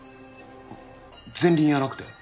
前輪やなくて？